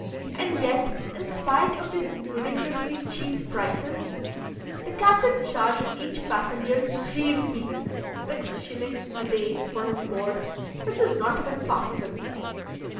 and yet, in spite of these ludicrously cheap prices, the captain charged each passenger three rupees (6s.) a day for his board, which was not even passable!